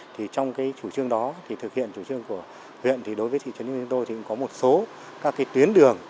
trong chủ trương đó thực hiện chủ trương của huyện đối với thị trấn nhân viên tôi thì cũng có một số các tuyến đường